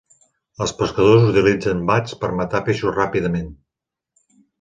Els pescadors utilitzen bats per matar peixos ràpidament.